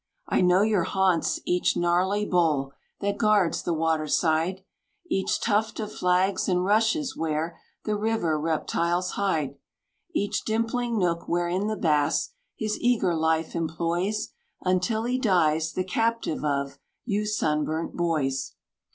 I know your haunts: each gnarly bole That guards the waterside, Each tuft of flags and rushes where The river reptiles hide, Each dimpling nook wherein the bass His eager life employs Until he dies the captive of You sunburnt boys.